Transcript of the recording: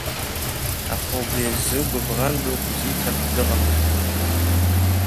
Аха убри азы гәыбӷан дук узиҭартә дыҟамызт.